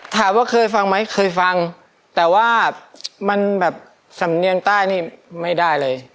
ถามว่าเคยฟังไหมเคยฟังแต่ว่ามันแบบสำเนียงใต้นี่ไม่ได้เลย